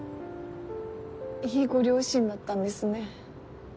いいご両親だったんですね。